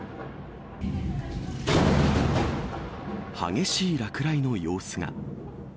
激しい落雷の様子が。